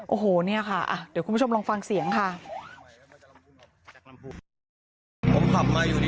โอ้โหเนี่ยค่ะเดี๋ยวคุณผู้ชมลองฟังเสียงค่ะ